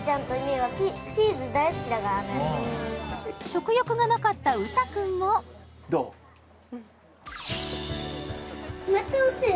好き食欲がなかった羽汰くんもめっちゃおいしい？